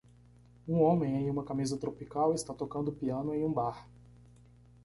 Um homem em uma camisa tropical está tocando piano em um bar.